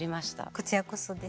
こちらこそです。